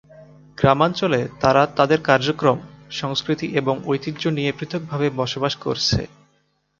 গ্রামাঞ্চলে তারা তাদের কার্যক্রম, সংস্কৃতি এবং ঐতিহ্য নিয়ে পৃথকভাবে বসবাস করছে।